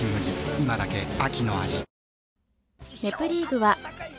今だけ秋の味